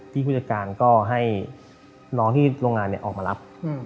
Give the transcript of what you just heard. ผู้จัดการก็ให้น้องที่โรงงานออกมารับ